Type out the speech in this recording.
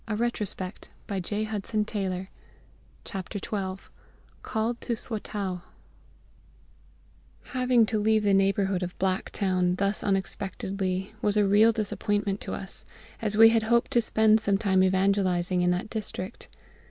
CHAPTER XII CALLED TO SWATOW HAVING to leave the neighbourhood of Black Town thus unexpectedly was a real disappointment to us, as we had hoped to spend some time evangelising in that district.